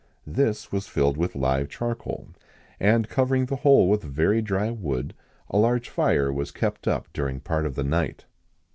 This was filled with live charcoal, and, covering the whole with very dry wood, a large fire was kept up during part of the night.